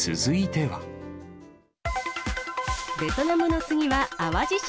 ベトナムの次は淡路島。